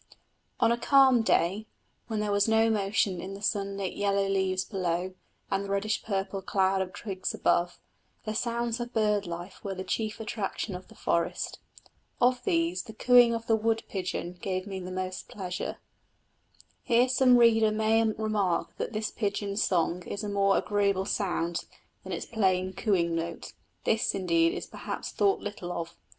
On a calm day, when there was no motion in the sunlit yellow leaves below and the reddish purple cloud of twigs above, the sounds of bird life were the chief attraction of the forest. Of these the cooing of the wood pigeon gave me the most pleasure. Here some reader may remark that this pigeon's song is a more agreeable sound than its plain cooing note. This, indeed, is perhaps thought little of.